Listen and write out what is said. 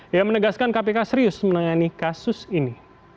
ia menegaskan kpk serius menangani kasus ini